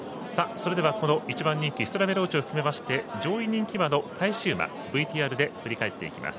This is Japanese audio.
それでは、１番人気ステラヴェローチェを含めまして上位人気馬の返し馬ＶＴＲで振り返っていきます。